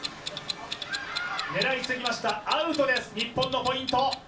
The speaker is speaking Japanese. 狙いすぎました、アウトです、日本のポイント。